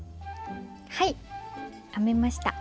はい編めました。